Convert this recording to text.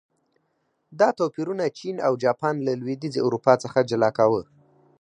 دا توپیرونه چین او جاپان له لوېدیځې اروپا څخه جلا کاوه.